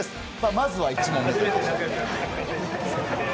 まずは１問目、正解。